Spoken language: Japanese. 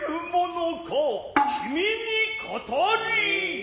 君に語り。